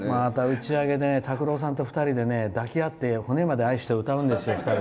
また、打ち上げで拓郎さんと２人で抱き合って「骨まで愛して」歌うんですよ。